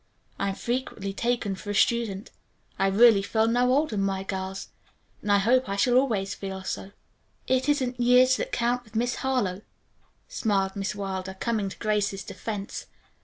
I am frequently taken for a student. I really feel no older than my girls, and I hope I shall always feel so." "It isn't years that count with Miss Harlowe," smiled Miss Wilder, coming to Grace's defense.